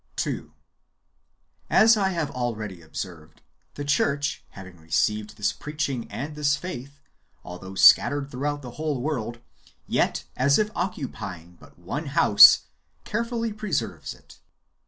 2. As I have already observed, the church, having received this preaching and this faith, although scattered through out the whole world, yet, as if occupying but one house, carefully preserves it.